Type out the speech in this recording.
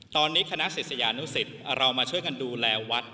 ตอนนี้คณะศิษยานุสิตเรามาช่วยกันดูแลวัด